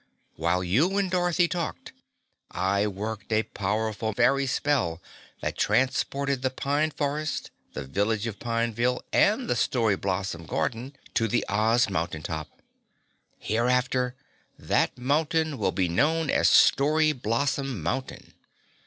While you and Dorothy talked, I worked a powerful fairy spell that transported the Pine Forest, the Village of Pineville and the Story Blossom Garden to the Oz mountain top. Hereafter that mountain will be known as Story Blossom Mountain.